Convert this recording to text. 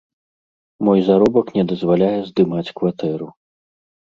Мой заробак не дазваляе здымаць кватэру.